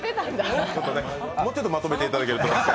もうちょっとまとめていただけると。